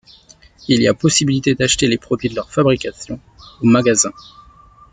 Il y a possibilité d'acheter les produits de leur fabrication au magasin.